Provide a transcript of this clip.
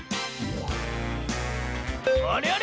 あれあれ？